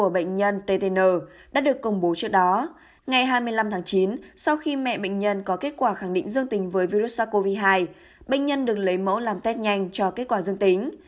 bệnh nhân được lấy mẫu làm test nhanh cho kết quả dương tính